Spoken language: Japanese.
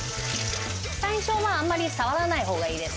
最初はあんまり触らないほうがいいです。